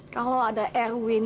kalau ada erwin